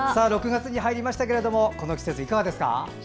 ６月に入りましたがこの季節、いかがですか？